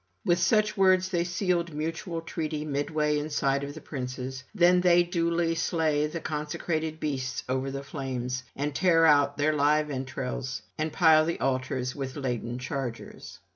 With such words they sealed mutual treaty midway in sight of the princes. Then they duly slay the consecrated beasts over the flames, and tear out their live entrails, and pile the altars with laden chargers.